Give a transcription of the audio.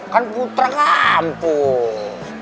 kan putra kampus